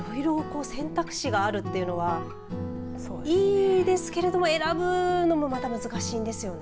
いろいろ選択肢があるというのはいいですけれども選ぶのもまた難しいんですよね。